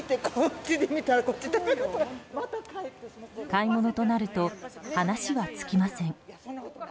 買い物となると話は尽きません。